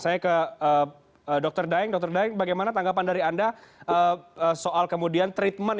saya ke dr daeng dr daeng bagaimana tanggapan dari anda soal kemudian treatment